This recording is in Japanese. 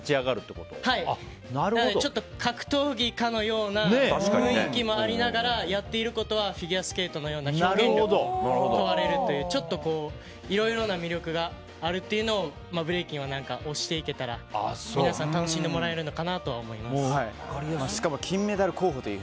なのでちょっと格闘技かのような雰囲気もありながらやっていることはフィギュアスケートのような表現力が問われるというちょっと、いろいろな魅力があるっていうのを、ブレイキンは押していけたら、皆さん楽しんでもらえるのかなとしかも金メダル候補という。